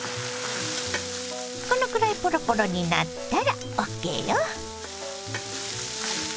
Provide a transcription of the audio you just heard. このくらいポロポロになったらＯＫよ。